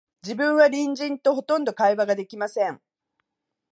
自分は隣人と、ほとんど会話が出来ません